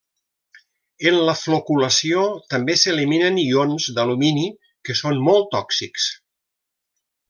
En la floculació també s'eliminen ions d'alumini que són molt tòxics.